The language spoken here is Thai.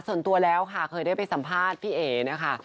ส่วนตัวแล้วค่ะเคยได้ไปสัมภาษณ์พี่เอ๋นะคะ